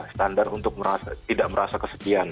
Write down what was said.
standar untuk tidak merasa kesedihan